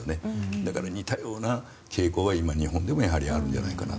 だから、似たような傾向が今、日本でもやはりあるんじゃないかと。